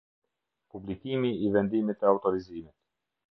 Publikimi i vendimit të autorizimit.